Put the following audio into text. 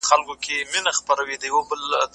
له يو بل سره مرسته وکړئ.